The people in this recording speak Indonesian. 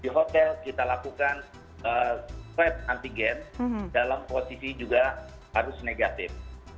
di hotel kita lakukan swab antigen dalam posisi juga harus negatif